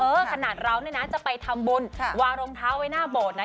ขนาดเราเนี่ยนะจะไปทำบุญวางรองเท้าไว้หน้าโบสถ์นะ